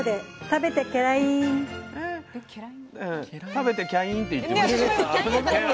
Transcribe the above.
食べてキャインって言ってました？